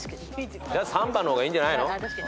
じゃあ３番の方がいいんじゃないの？